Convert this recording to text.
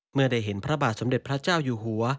เมื่อได้เห็นพระบาทสมเด็จพระเจ้าอยู่หัว